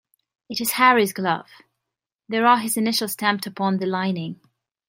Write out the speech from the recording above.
It is Harry's glove; there are his initials stamped upon the lining.